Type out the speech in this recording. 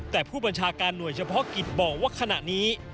แต่ผู้บัญชาการหน่วยเฉพาะกิจบอกว่าขณะนี้